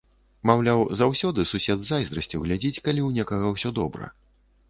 Маўляў, заўсёды сусед з зайздрасцю глядзіць, калі ў некага ўсё добра.